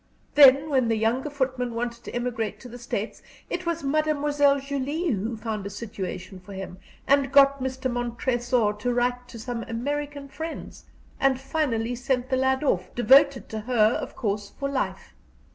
Then when the younger footman wanted to emigrate to the States, it was Mademoiselle Julie who found a situation for him, who got Mr. Montresor to write to some American friends, and finally sent the lad off, devoted to her, of course, for life.